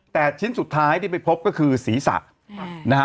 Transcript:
แต่ชิ้นสุดท้ายที่ไปพบก็คือศีรษะนะฮะ